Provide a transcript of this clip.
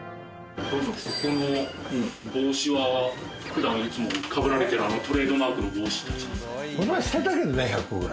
ここの帽子は普段はいつも、かぶられてる、あのトレードマークの帽子ですか？